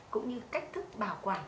cũng như cách thức bảo quản